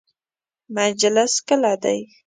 مجلس کله دی؟